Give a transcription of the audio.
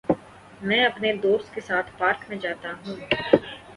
میں اپنے دوست کے ساتھ پارک میں جاتا ہوں۔